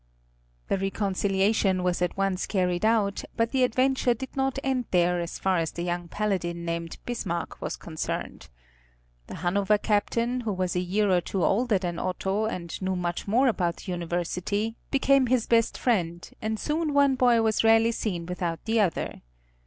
The reconciliation was at once carried out, but the adventure did not end there as far as the young paladin named Bismarck was concerned. The Hanover captain, who was a year or two older than Otto, and knew much more about the University, became his best friend, and soon one boy was rarely seen without the other.